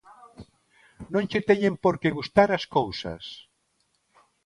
Non che teñen porque gustar as cousas.